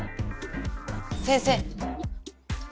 先生！